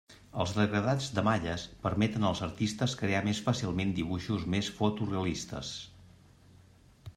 Els degradats de malles permeten als artistes crear més fàcilment dibuixos més foto realistes.